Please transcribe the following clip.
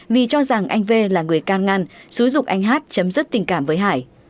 vì cho rằng anh v là người can ngăn xúi dục anh hát chấm dứt tình cảm với hải